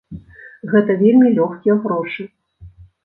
Гэта вельмі лёгкія грошы.